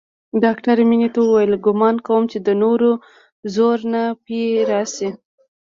ډاکتر مينې ته وويل ګومان کوم چې د نورو زور نه پې رسي.